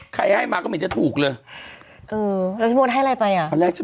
ใครให้มาก็ไม่จะถูกเลยเออแล้วทั้งนึงให้อะไรไปอะ